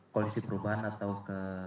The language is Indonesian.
koalisi perubahan atau ke